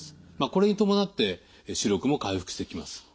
これに伴って視力も回復してきます。